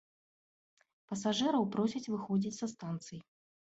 Пасажыраў просяць выходзіць са станцый.